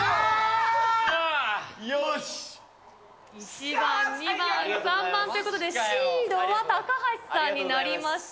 １番、２番、３番ということで、シードは高橋さんになりました。